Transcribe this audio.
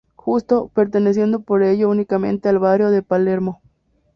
Justo, perteneciendo por ello únicamente al barrio de Palermo.